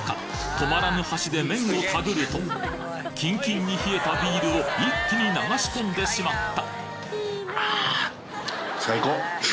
止まらぬ箸で麺をたぐるとキンキンに冷えたビールを一気に流し込んでしまった！